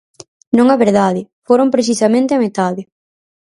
Non é verdade, foron precisamente a metade.